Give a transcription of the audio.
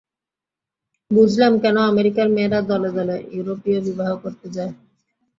বুঝলাম কেন আমেরিকার মেয়েরা দলে দলে ইউরোপীয় বিবাহ করতে যায়।